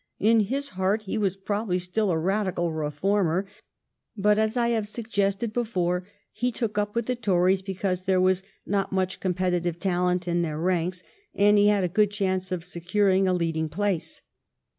In his heart he was prob ably still a Radical Reformer, but, as I have suggested before, he took up with the Tories be cause there was not much competitive talent in their ranks and he had a good chance of secur ing a leading place.